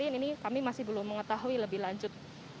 ini kami masih belum mengetahui lebih lanjut